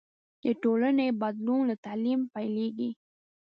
د ټولنې بدلون له تعلیم پیلېږي.